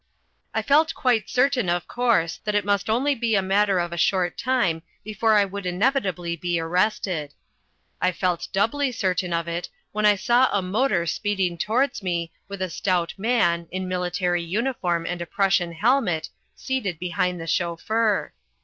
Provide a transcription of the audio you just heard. I felt quite certain, of course, that it must only be a matter of a short time before I would inevitably be arrested. I felt doubly certain of it when I saw a motor speeding towards me with a stout man, in military uniform and a Prussian helmet, seated behind the chauffeur.